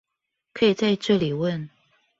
可以在這裡問